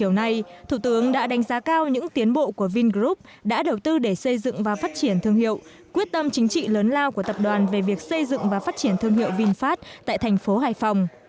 hôm nay thủ tướng đã đánh giá cao những tiến bộ của vingroup đã đầu tư để xây dựng và phát triển thương hiệu quyết tâm chính trị lớn lao của tập đoàn về việc xây dựng và phát triển thương hiệu vinfast tại thành phố hải phòng